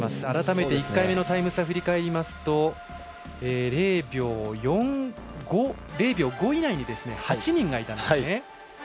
改めて１回目のタイム差振り返りますと０秒５以内に８人がいたんですね。